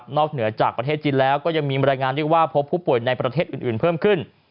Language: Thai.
เหนือจากประเทศจีนแล้วก็ยังมีบรรยายงานเรียกว่าพบผู้ป่วยในประเทศอื่นเพิ่มขึ้น